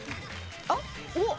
あっおっ？